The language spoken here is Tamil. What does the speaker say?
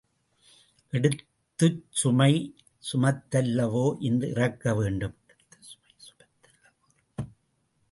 எடுத்த சுமை சுமத்தல்லவோ இறக்க வேண்டும்?